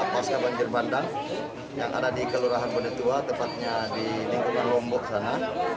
pasca banjir bandang yang ada di kelurahan bonetua tepatnya di lingkungan lombok sana